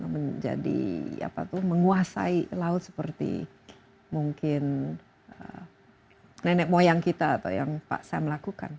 menjadi apa tuh menguasai laut seperti mungkin nenek moyang kita atau yang pak sam lakukan